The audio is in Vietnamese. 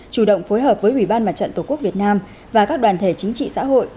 chủ động phối hợp với ủy ban mặt trận tổ quốc việt nam và các đoàn thể chính trị xã hội